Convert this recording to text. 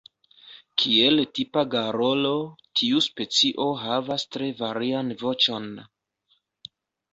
Kiel tipa garolo, tiu specio havas tre varian voĉon.